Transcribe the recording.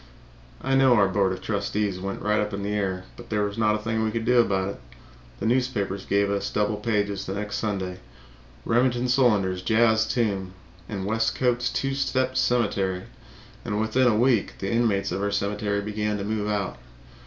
I know our board of trustees went right up in the air, but there was not a thing we could do about it. The newspapers gave us double pages the next Sunday "Remington Solander's Jazz Tomb" and "Westcote's Two Step Cemetery." And within a week the inmates of our cemetery began to move out.